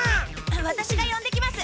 ワタシがよんできます！